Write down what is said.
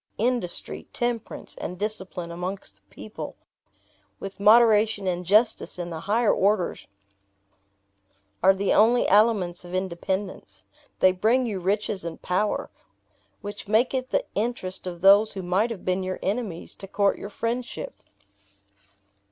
Industry, temperance, and discipline amongst the people; with moderation and justice in the higher orders, are the only aliments of independence. They bring you riches and power, which make it the interest of those who might have been your enemies to court your friendship."